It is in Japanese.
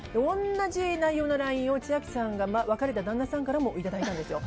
同じ内容のＬＩＮＥを千秋さんと別れた旦那さんからもいただいたんですよ。